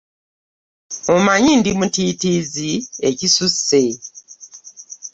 Omanyi ndi mutiitiizi ekisusse.